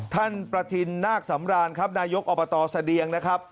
ท่านประทินนาคสำราญครับนายกอบตเสดียงนะครับ